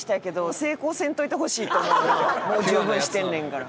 もう十分してんねんから。